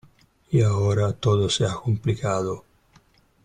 y ahora todo se ha complicado.